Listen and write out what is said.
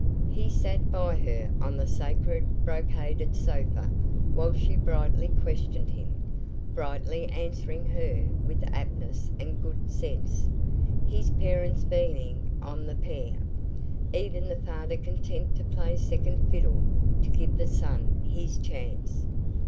He sat by her on the sacred brocaded sofa while she brightly questioned him, brightly answering her with aptness and good sense; his parents beaming on the pair, even the father content to play second fiddle to give the son his chance.